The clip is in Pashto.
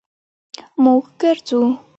مونږ ګرځو